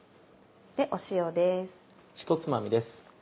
塩です。